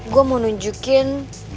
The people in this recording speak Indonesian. gue mau nunjukin